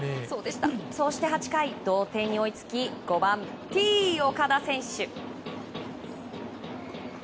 そして８回同点に追いつき５番、Ｔ‐岡田選手。